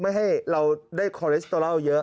ไม่ให้เราได้โคลอร์เลสเตอราวเยอะ